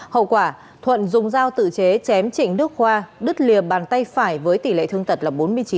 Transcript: hậu quả thuận dùng dao tự chế chém trịnh nước hoa đứt liềm bàn tay phải với tỷ lệ thương tật là bốn mươi chín